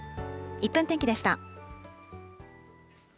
１分天気でした。